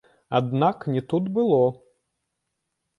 Аднак не тут было!